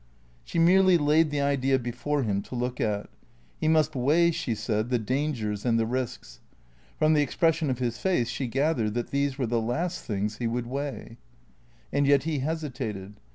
She merely laid the idea before him to look at. He must weigh, she said, the dangers and the risks. From the expres sion of his face she gathered that these were the last things he would weigh. And yet he hesitated.